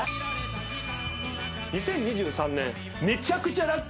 ２０２３年。